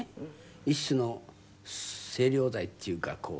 一種の清涼剤っていうか